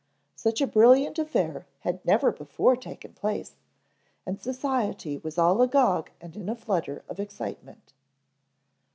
Such a brilliant affair had never before taken place, and society was all agog and in a flutter of excitement.